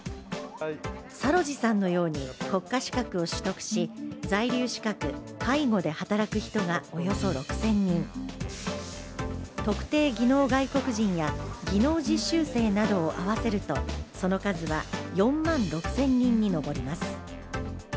サロジさんのように国家資格を取得し在留資格、介護で働く人がおよそ６０００人、特定技能外国人や技能実習生などを合わせるとその数は４万６０００人に上ります。